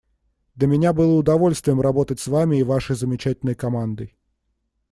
Для меня было удовольствием работать с Вами и Вашей замечательной командой.